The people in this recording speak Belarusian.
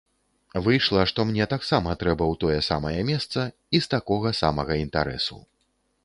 Выйшла, што мне таксама трэба ў тое самае месца і з такога самага інтарэсу.